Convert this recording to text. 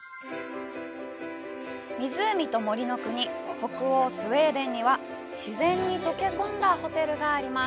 湖と森の国、北欧スウェーデンには自然に溶け込んだホテルがあります。